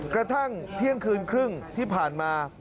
กระทั่งเที่ยงคืนครึ่งที่ผ่านมา